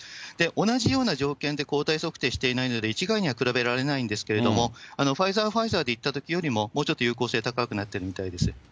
同じような条件で抗体測定していないので、一概には比べられないんですけれども、ファイザー、ファイザーでいったときよりも、もうちょっと有効性高くなってるみたいです。